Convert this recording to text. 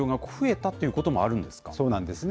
たっそうなんですね。